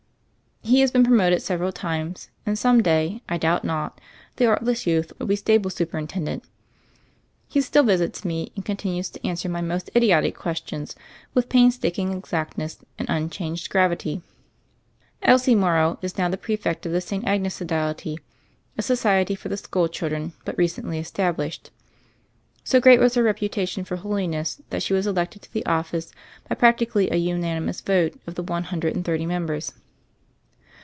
He has been promoted several times, and some day, I doubt not, the artless youth will be stable superintendent. He still visits me, and con tinues to answer my most idiotic questions with painstaking exactness and unchanged gravity. Elsie Morrow is now the prefect of the St. Agnes Sodality — a society for the school chil dren but recently established. So great was her reputation for holiness that she was elected to the office by practically a unanimous vote of the THE FAIRY OF THE SNOWS 213 one hundred and thirty members.